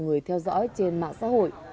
người theo dõi trên mạng xã hội